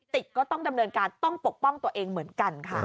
ก็ต้องดำเนินการต้องปกป้องตัวเองเหมือนกันค่ะ